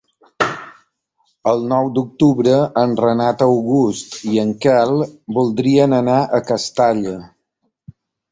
El nou d'octubre en Renat August i en Quel voldrien anar a Castalla.